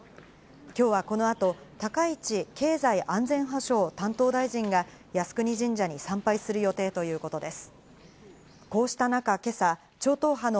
今日はこの後、高市経済安全保障担当大臣が靖国神社に参拝する予定ということです。